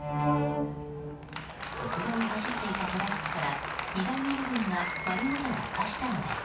国道を走っていたトラックから荷台の部分が丸ごと落下したのです。